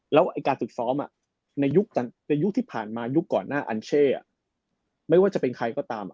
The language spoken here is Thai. แล้วการฝึกซ้อมในยุคในยุคที่ผ่านมายุคก่อนหน้าอันเช่ไม่ว่าจะเป็นใครก็ตาม